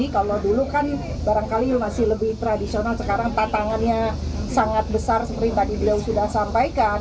kalau dulu kan barangkali masih lebih tradisional sekarang tatangannya sangat besar seperti tadi beliau sudah sampaikan